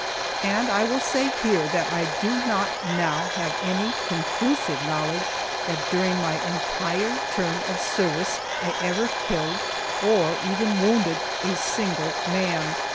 And I will say here that I do not now have any conclusive knowledge that during my entire term of service I ever killed, or even wounded, a single man.